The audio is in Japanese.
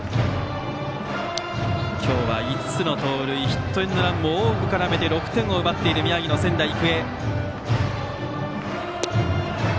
今日は５つの盗塁ヒットエンドランも多く絡めて６点を奪っている宮城の仙台育英。